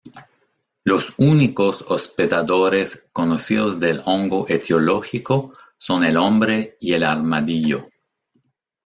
Los únicos hospedadores conocidos del hongo etiológico son el hombre y el armadillo.